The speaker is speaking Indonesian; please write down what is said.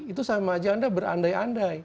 itu sama aja anda berandai andai